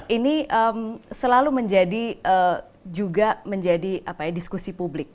ini selalu menjadi juga menjadi diskusi publik